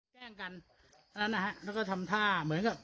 แจ้งกันแล้วก็ทำท่าเหมือนกับ